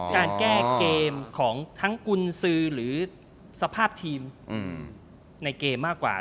การแก้เกมของทั้งกุญสือหรือสภาพทีมในเกมมากกว่า